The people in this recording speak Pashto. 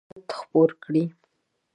ډرامه باید محبت خپور کړي